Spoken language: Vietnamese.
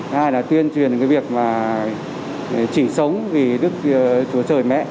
hai là tuyên truyền cái việc mà chỉ sống vì đức chúa trời mẹ